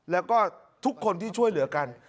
แล้วก็ทุกคนที่ช่วยเหลือกัน